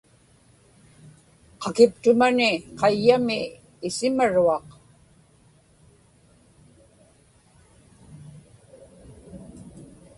qakiptumani qayyami isimaruaq